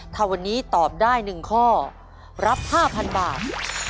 ถ้าวันนี้ตอบได้๑ข้อรับ๕๐๐๐บาท